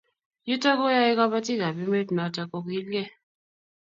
Yutok koyae kabatik ab emet notok kokilgei